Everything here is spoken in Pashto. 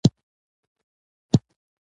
نه چا حال وایه نه څوک په خبرېدله